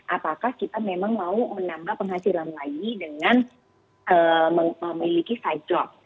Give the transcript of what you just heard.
apakah kita memang mau menambah penghasilan lagi dengan memiliki side job